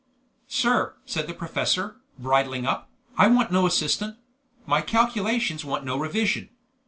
"Sir," said the professor, bridling up, "I want no assistant; my calculations want no revision.